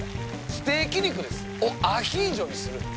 ステーキ肉ですよ！をアヒージョにするって。